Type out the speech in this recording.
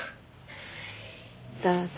どうぞ。